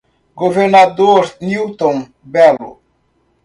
Governador Newton Bello